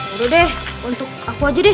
udah deh untuk aku aja deh